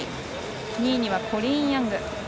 ２位にはコリーン・ヤング。